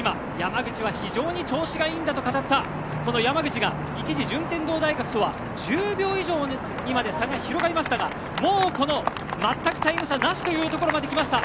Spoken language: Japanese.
今、非常に調子がいいんだと語った山口が一時、順天堂大学とは１０秒以上差が広がりましたが全くタイム差なしというところで来ました。